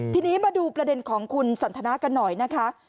ทีนี้มาดูประเด็นของคุณสันทนากันหน่อยนะคะ